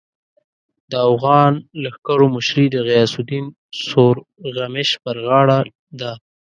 د اوغان لښکرو مشري د غیاث الدین سورغمش پر غاړه ده.